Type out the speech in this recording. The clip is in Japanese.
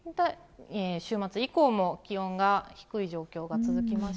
週末以降も、気温が低い状況が続きまして。